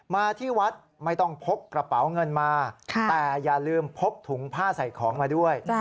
มาที่วัดไม่ต้องพกกระเป๋าเงินมาแต่อย่าลืมพกถุงผ้าใส่ของมาด้วย